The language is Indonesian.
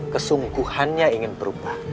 kesungguhannya ingin berubah